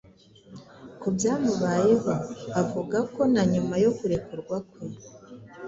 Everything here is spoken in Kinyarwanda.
ku byamubayeho. Avuga ko na nyuma yo kurekurwa kwe,